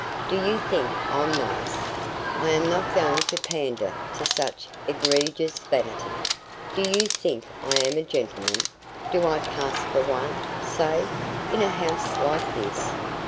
"Do you think I'm nice?" "I am not going to pander to such egregious vanity." "Do you think I am a gentleman? Do I pass for one say, in a house like this?"